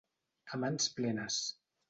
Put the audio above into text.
A mans plenes.